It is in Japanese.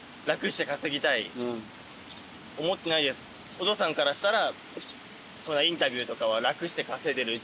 お父さんからしたら。